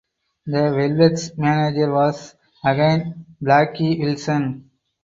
The Velvets manager was again Blackie Wilson.